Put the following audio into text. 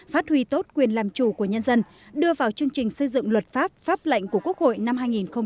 phát huy tốt quyền làm chủ của nhân dân đưa vào chương trình xây dựng luật pháp pháp lệnh của quốc hội năm hai nghìn hai mươi